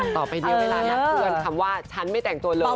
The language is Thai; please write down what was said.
ต่อไปเดี๋ยวเวลานัดเพื่อนคำว่าฉันไม่แต่งตัวเลย